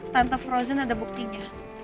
tante frozen ada buktinya